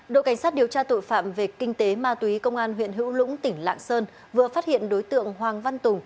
đội cảnh sát điều tra tội phạm về kinh tế ma túy công an huyện hữu lũng tỉnh lạng sơn vừa phát hiện đối tượng hoàng văn tùng